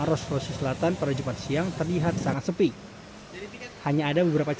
oh batal apa kata pihak maskapai